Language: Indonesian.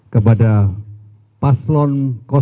kepada paslon satu